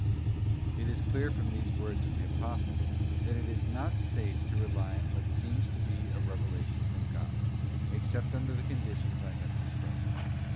t It is clear from these words of the Apostle, that it is not safe to rely on what seems to be a revelation from God, except under the conditions I have described.